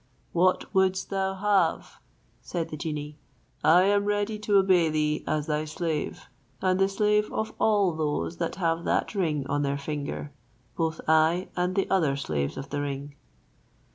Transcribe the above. "What wouldst thou have?" said the genie. "I am ready to obey thee as thy slave, and the slave of all those that have that ring on their finger; both I and the other slaves of the ring."